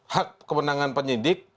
hak kemenangan penyidik